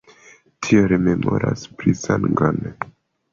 Tio rememoras pri sango.